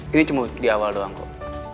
ini cuma di awal doang kok